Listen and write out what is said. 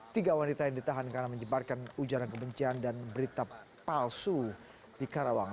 tiga wanita yang ditahan karena menyebarkan ujaran kebencian dan berita palsu di karawang